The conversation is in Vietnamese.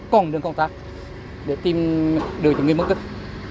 còn đường công tác để tìm được những người mất tích